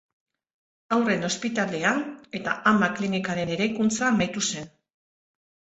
Haurren Ospitalea eta Ama-Klinikaren eraikuntza amaitu zen.